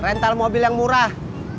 rental mobil yang murah